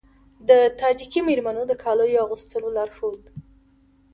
د تاجیکي میرمنو د کالیو اغوستلو لارښود